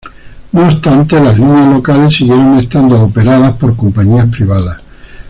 No obstante, las líneas locales siguieron estando operadas por compañías privadas.